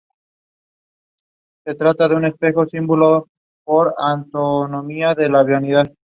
La misma está protagonizada por Ricardo Darín, Soledad Villamil, Pablo Rago y Guillermo Francella.